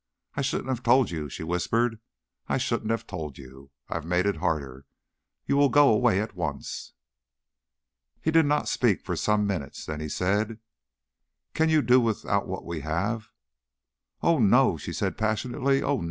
"I shouldn't have told you," she whispered, "I shouldn't have told you. I have made it harder. You will go away at once." He did not speak for some minutes. Then he said, "Can you do without what we have?" "Oh, no!" she said passionately. "Oh, no!